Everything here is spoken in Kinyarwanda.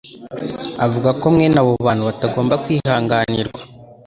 avuga ko mwene abo bantu batagomba kwihanganirwa.